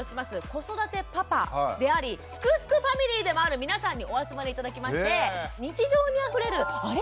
子育てパパであり「すくすくファミリー」でもある皆さんにお集まり頂きまして日常にあふれる「あれ？